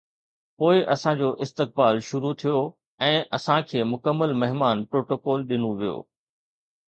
پوءِ اسان جو استقبال شروع ٿيو ۽ اسان کي مڪمل مهمان پروٽوڪول ڏنو ويو.